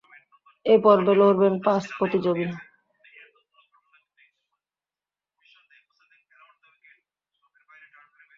এ পর্বে লড়বেন পাঁচ প্রতিযোগী।